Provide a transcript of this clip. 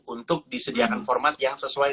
untuk disediakan format yang sesuai